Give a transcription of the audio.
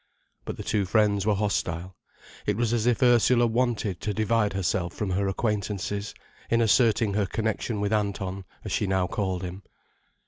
But the two friends were hostile. It was as if Ursula wanted to divide herself from her acquaintances, in asserting her connection with Anton, as she now called him.